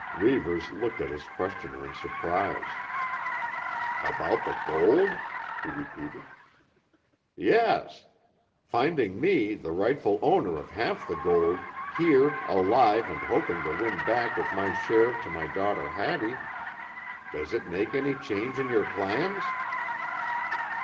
Reivers looked at his questioner in surprise. "About the gold?" he repeated. "Yes. Finding me, the rightful owner of half of the gold, here, alive and hoping to win back with my share to my daughter Hattie—does it make any change in your plans?"